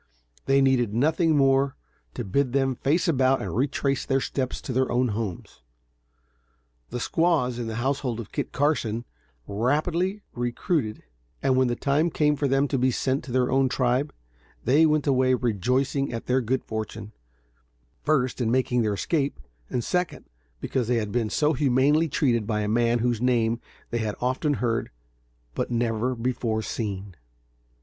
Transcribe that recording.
They needed nothing more to bid them face about and retrace their steps to their own homes. The squaws, in the household of Kit Carson, rapidly recruited, and when the time came for them to be sent to their own tribe, they went away rejoicing at their good fortune; first in making their escape, and second, because they had been so humanely treated by a man whose name they had often heard, but never before seen.